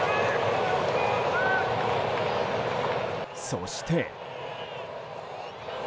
そして。